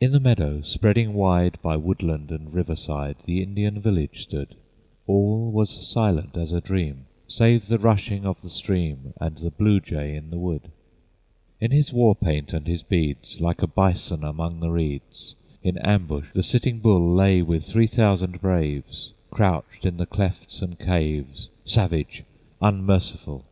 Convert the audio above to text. In the meadow, spreading wide By woodland and riverside The Indian village stood; All was silent as a dream, Save the rushing a of the stream And the blue jay in the wood. In his war paint and his beads, Like a bison among the reeds, In ambush the Sitting Bull Lay with three thousand braves Crouched in the clefts and caves, Savage, unmerciful!